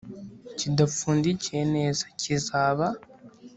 Kidapfundikiye neza kizaba